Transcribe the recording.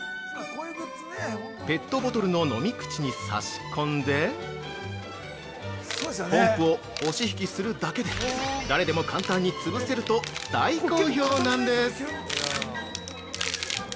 ペットボトルの飲み口に差し込んでポンプを押し引きするだけで誰でも簡単に潰せると大好評なんです。